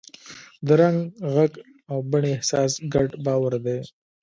د رنګ، غږ او بڼې احساس ګډ باور دی.